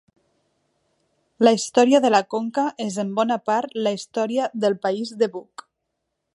La història de la conca és en bona part la història del País de Buc.